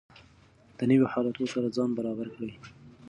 د نویو حالاتو سره ځان برابر کړئ.